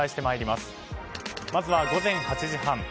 まずは午前８時半。